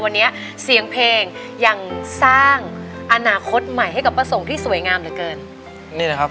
วันนี้เสียงเพลงยังสร้างอนาคตใหม่ให้กับพระสงฆ์ที่สวยงามเหลือเกินนี่แหละครับ